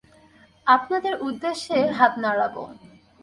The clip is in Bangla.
আপনাদের উদ্দেশ্যে হাত নাড়াবো।